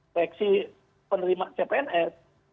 koleksi penerima cpns